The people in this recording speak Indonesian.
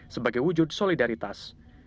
sebagai wujud solidaritas